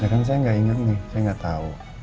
ya kan saya gak inget nih saya gak tau